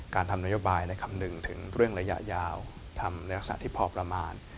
การทำนโยบายในคำหนึ่งถึงเรื่องระยะยาวทำและรักษาพอประมาณ